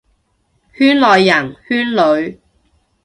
圈內人，圈裏，